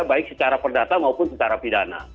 baik secara perdata maupun secara pidana